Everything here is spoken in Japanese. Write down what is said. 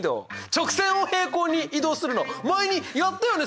直線を平行に移動するの前にやったよね